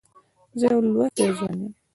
زه يو لوستی ځوان یم.